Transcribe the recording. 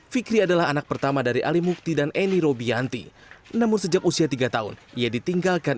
fikri adalah anak pertama dari ali mukti dan eni robianti namun sejak usia tiga tahun ia ditinggalkan